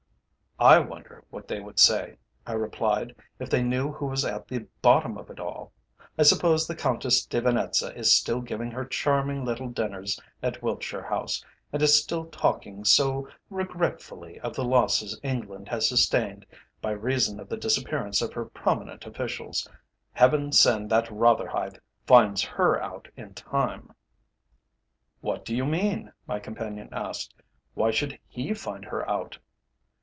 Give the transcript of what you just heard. "I wonder what they would say," I replied, "if they knew who was at the bottom of it all? I suppose the Countess de Venetza is still giving her charming little dinners at Wiltshire House, and is still talking so regretfully of the losses England has sustained by reason of the disappearance of her prominent officials. Heaven send that Rotherhithe finds her out in time!" "What do you mean?" my companion asked. "Why should he find her out?"